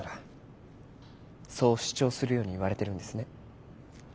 そう主張するように言われてるんですね。